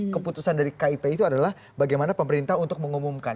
keputusan dari kip itu adalah bagaimana pemerintah untuk mengumumkan